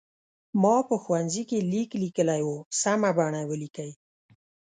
ما په ښوونځي کې لیک لیکلی و سمه بڼه ولیکئ.